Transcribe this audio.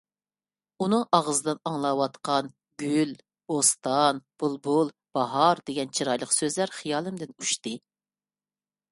ئۇنىڭ ئاغزىدىن ئاڭلاۋاتقان گۈل، بوستان، بۇلبۇل، باھار دېگەن چىرايلىق سۆزلەر خىيالىمدىن ئۇچتى.